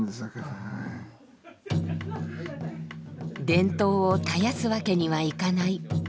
伝統を絶やすわけにはいかない。